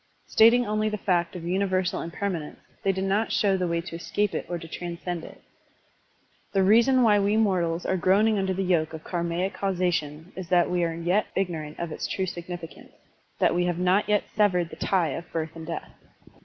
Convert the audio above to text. Stating only the fact of universal impermanence, they did not show the way to escape it or to transcend it. The reason why we mortals are groaning under the yoke of karmaic causation is that we are yet ignorant of its true significance, that we have not yet severed the tie of birth and death.